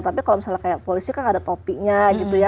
tapi kalau misalnya kayak polisi kan ada topinya gitu ya